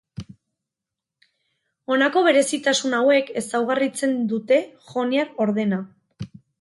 Honako berezitasun hauek ezaugarritzen dute joniar ordena.